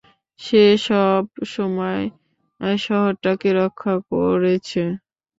সে সব সময় শহরটাকে রক্ষা করেছে।